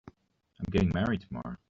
I'm getting married tomorrow.